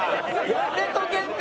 やめとけって。